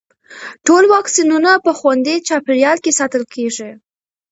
ټول واکسینونه په خوندي چاپېریال کې ساتل کېږي.